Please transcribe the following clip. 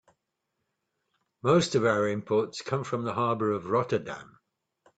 Most of our imports come from the harbor of Rotterdam.